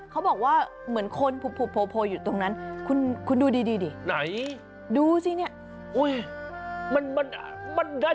เขาบอกว่าเหมือนคนพุบโพอยู่ตรงนั้นคุณดูดีดิ